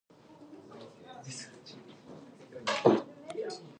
It is also found in aquariums to keep water circulating.